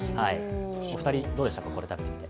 お二人、どうでしたか、これ食べてみて。